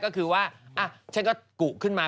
ก็คือว่าฉันก็กุขึ้นมา